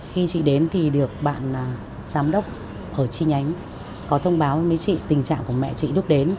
khi chị đến thì được bạn giám đốc ở chi nhánh có thông báo với chị tình trạng của mẹ chị lúc đến